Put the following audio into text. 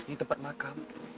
ini tempat makam